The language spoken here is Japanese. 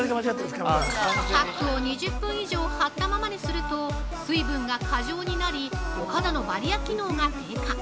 ◆パックを２０分以上貼ったままにすると、水分が過剰になりお肌のバリア機能が低下。